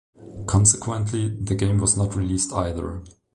Consequently, the game was not released either.